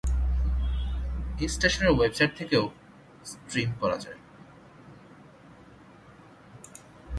এটি স্টেশনের ওয়েবসাইট থেকেও স্ট্রিম করা যায়।